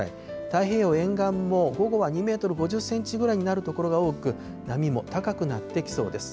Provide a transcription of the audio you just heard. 太平洋沿岸も午後は２メートル５０センチぐらいになる所が多く、波も高くなってきそうです。